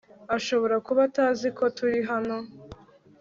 ashobora kuba atazi ko turi hano